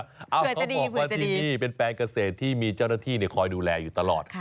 เขาบอกว่าที่นี่เป็นแปลงเกษตรที่มีเจ้าหน้าที่คอยดูแลอยู่ตลอด